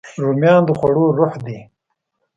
رومیان د خوړو روح دي